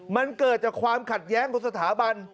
มันเกิดจากความขัดแย้งของสถาบัน